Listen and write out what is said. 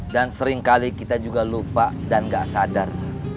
dan seringkali kita juga lupa dan gak sadar